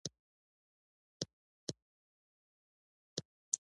په دې برخه کې د طالبانو برخه دا وه.